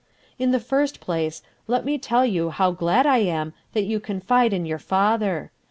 "In the first place, let me tell you how glad I am that you confide in your father.